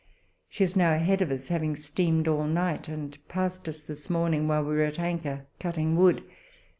She is now ahead of us, having steamed all night, and passed us this morning whilst we were at anchor cutting wood.